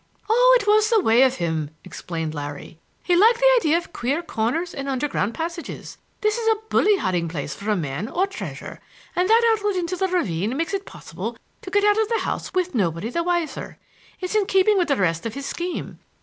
"Oh, it was the way of him!" explained Larry. "He liked the idea of queer corners and underground passages. This is a bully hiding place for man or treasure, and that outlet into the ravine makes it possible to get out of the house with nobody the wiser. It's in keeping with the rest of his scheme.